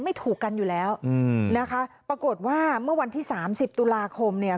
ไม่ถูกกันอยู่แล้วอืมนะคะปรากฏว่าเมื่อวันที่สามสิบตุลาคมเนี่ย